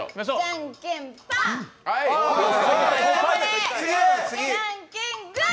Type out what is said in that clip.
じゃんけん、グー。